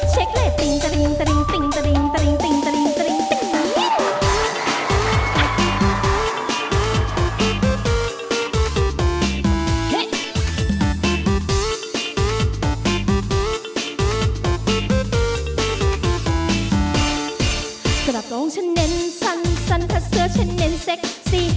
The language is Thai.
สำหรับโรงฉันเน็นซันซันทัศน์เซอร์ฉันเน็นเซ็กซี